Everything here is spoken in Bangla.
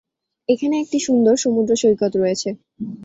এখানে একটি সুন্দর সমুদ্র সৈকত রয়েছে।